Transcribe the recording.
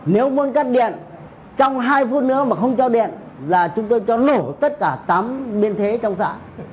nếu muốn cắt điện trong hai phút nữa mà không cho điện là chúng tôi cho nổ tất cả tám biên thế trong xã